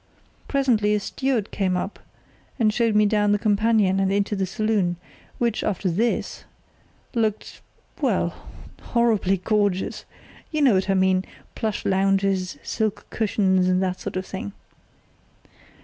Presently a steward came up and showed me down the companion and into the saloon, which, after this, looked—well, horribly gorgeous—you know what I mean, plush lounges, silk cushions, and that sort of thing.